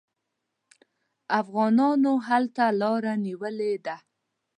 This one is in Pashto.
افغانانو هلته لاره نیولې ده.